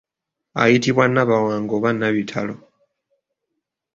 Ayitibwa Nabawanga oba Nabitalo.